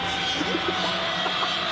「ハハハハ！」